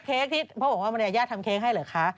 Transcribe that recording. ที่พ่อบอกว่ามารยาททำเค้กให้เหรอคะ